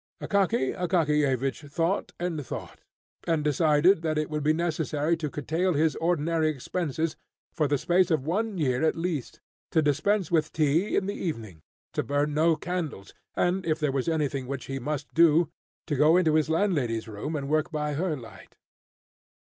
Akaky Akakiyevich thought and thought, and decided that it would be necessary to curtail his ordinary expenses, for the space of one year at least, to dispense with tea in the evening, to burn no candles, and, if there was anything which he must do, to go into his landlady's room, and work by her light.